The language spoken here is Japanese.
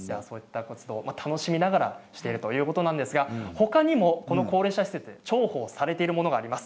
楽しみながらしているということなんですがほかにも高齢者施設で重宝されているものがあります。